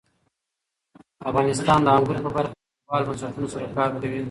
افغانستان د انګور په برخه کې نړیوالو بنسټونو سره کار کوي.